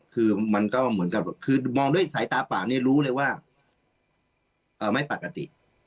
คือมันก็เหมือนกับคือมองด้วยสายตาปากเนี่ยรู้เลยว่าไม่ปกติ